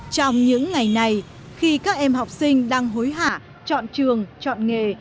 trong những ngày này khi các em học sinh đang hối hả chọn trường chọn nghề